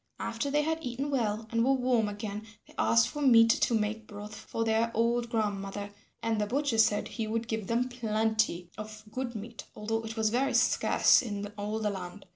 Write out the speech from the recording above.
After they had eaten well and were warm again, they asked for meat to make broth for their old grandmother, and the butcher said he would give them plenty of good meat although it was very scarce in all the land.